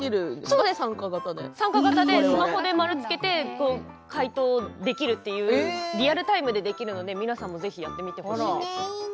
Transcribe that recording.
スマホで丸をつけて解答できるというリアルタイムでできるので皆さんもぜひやってほしいです。